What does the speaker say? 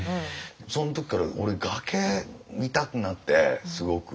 そん時から俺崖見たくなってすごく。